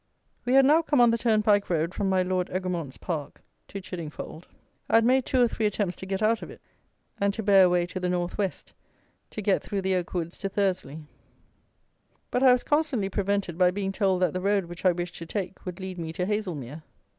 We had now come on the Turnpike road from my Lord Egremont's Park to Chiddingfold. I had made two or three attempts to get out of it, and to bear away to the north west, to get through the oak woods to Thursley; but I was constantly prevented by being told that the road which I wished to take would lead me to Haslemere.